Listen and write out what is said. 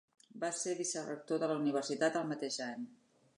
Va ser vicerector de la Universitat el mateix any.